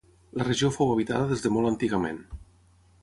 La regió fou habitada des de molt antigament.